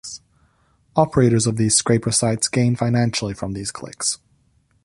Operators of these scraper sites gain financially from these clicks.